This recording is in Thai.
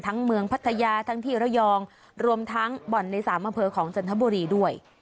เมืองพัทยาทั้งที่ระยองรวมทั้งบ่อนในสามอำเภอของจันทบุรีด้วย